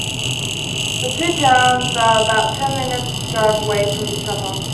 The two towns are about ten minutes' drive away from each other.